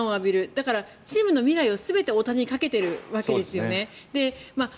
だから、チームの未来を全て大谷に賭けているわけですよね。